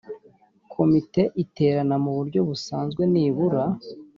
komite iterana mu buryo busanzwe nibura